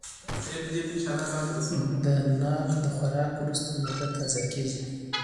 د ناک د خوراک وروسته معده تازه کېږي.